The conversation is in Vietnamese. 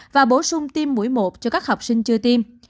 và bổ sung tiêm mũi một cho các học sinh chưa tiêm